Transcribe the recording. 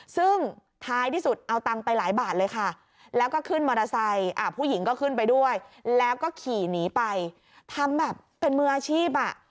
ซึ่งท้ายที่สุดเอาตังค์ไปหลายบาทเลยค่ะแล้วก็ขึ้นมอเตอร์ไซค์ผู้หญิงก็ขึ้นไปด้วยแล้วก็ขี่หนีไปทำแบบเป็นมืออาชีพอ่ะ